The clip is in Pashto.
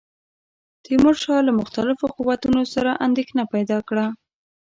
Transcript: تیمورشاه له مختلفو قوتونو سره اندېښنه پیدا کړه.